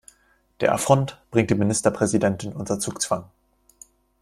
Der Affront bringt die Ministerpräsidentin unter Zugzwang.